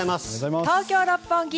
東京・六本木